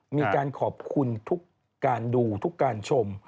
มีการขอบคุณทุกการดูทุกการชม